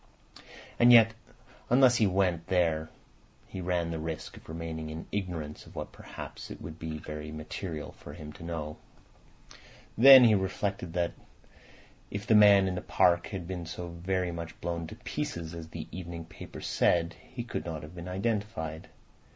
And yet unless he went there he ran the risk of remaining in ignorance of what perhaps it would be very material for him to know. Then he reflected that, if the man in the park had been so very much blown to pieces as the evening papers said, he could not have been identified.